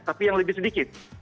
tapi yang lebih sedikit